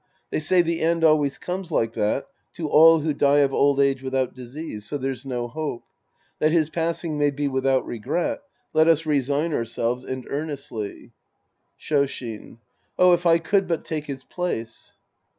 They say the end always comes like that to all who die of old age without disease, so there's no hope. That his passing may be without regret, let us resign ourselves and earnestly — Shoshin. Oh, if I could but take his place